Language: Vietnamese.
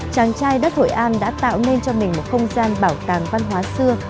chàng trai đất hội an đã tạo nên cho mình một không gian bảo tàng văn hóa xưa